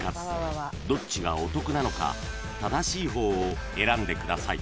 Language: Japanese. ［どっちがお得なのか正しい方を選んでください］